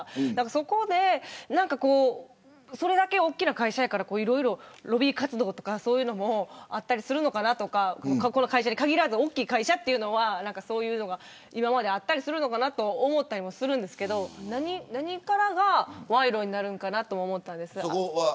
そこでそれだけ大きな会社やからロビー活動とかそういうのもあったりするのかなとかこの会社に限らず大きい会社というのは今まであったりするのかなと思ったりもするんですけど何からが賄賂になるのかなと思ったんです。